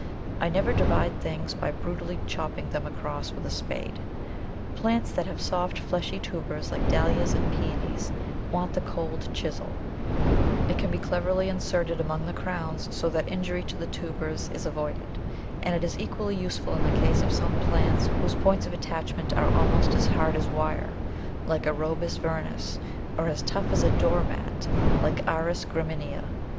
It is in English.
I never divide things by brutally chopping them across with a spade. Plants that have soft fleshy tubers like Dahlias and Pæonies want the cold chisel; it can be cleverly inserted among the crowns so that injury to the tubers is avoided, and it is equally useful in the case of some plants whose points of attachment are almost as hard as wire, like Orobus vernus, or as tough as a door mat, like Iris graminia.